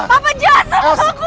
papa jahat sama aku